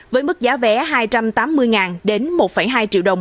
với mức giá vé hai trăm tám mươi đến một hai triệu đồng